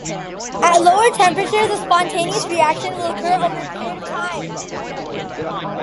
At lower temperatures, a spontaneous reaction will occur over a period of time.